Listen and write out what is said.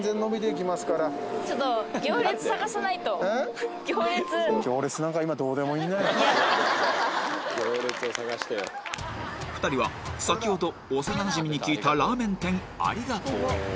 行列行列を探してよ２人は先ほど幼なじみに聞いたラーメン店ありがとうへ